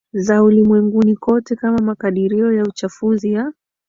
za ulimwenguni kote km makadirio ya uchafuzi ya